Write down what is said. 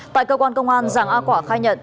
tại cơ quan công an giàng a quả khai nhận